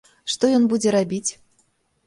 Што ён будзе рабіць?